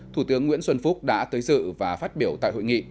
thủ tướng nguyễn xuân phúc đã tới dự và phát biểu tại hội nghị